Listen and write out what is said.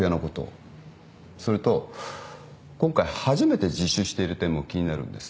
それと今回初めて自首している点も気になるんです。